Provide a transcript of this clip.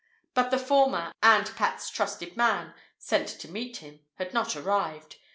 But the former and Pat's trusted man, sent to meet him, had not arrived.